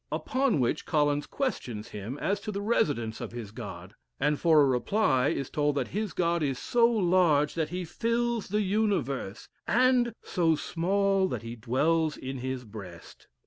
Upon which Collins questions him as to the residence of his God: and for a reply is told that his God is so large, that he fills the universe; and so small that he dwells in his breast.